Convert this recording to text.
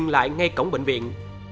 lại ngay cổng bệnh viện